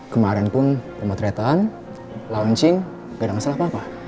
kemarin pun pemotretan launching tidak ada masalah apa apa